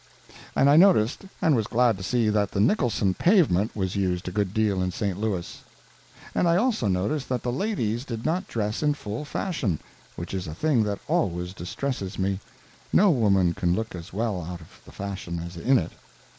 And I noticed and was glad to see that the Nicolson pavement was used a good deal in St. Louis. And I also noticed that the ladies did not dress in full fashion—which is a thing that always distresses me. No woman can look as well out of the fashion as in it.